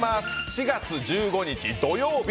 ４月１５日土曜日